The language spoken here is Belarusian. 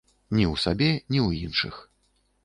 Ні ў сабе, ні ў іншых.